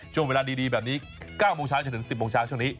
ช่วงเวลาดีแบบนี้๙โมงเช้าจนถึง๑๐โมงเช้าช่วงนี้